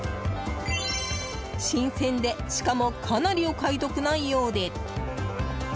新鮮で、しかもかなりお買い得なようで。